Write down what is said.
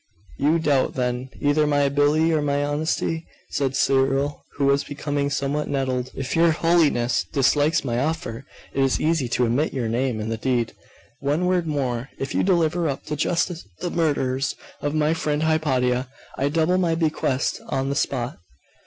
'You doubt, then, either my ability or my honesty?' said Cyril, who was becoming somewhat nettled. 'If your Holiness dislikes my offer, it is easy to omit your name in the deed. One word more. If you deliver up to justice the murderers of my friend Hypatia, I double my bequest on the spot.